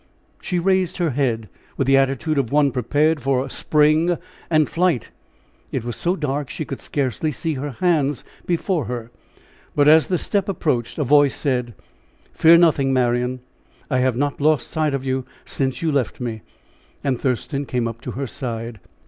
She raised her head with the attitude of one prepared for a spring and flight. It was so dark she could scarcely see her hands before her, but as the step approached, a voice said: "Fear nothing, Marian, I have not lost sight of you since you left me," and Thurston came up to her side.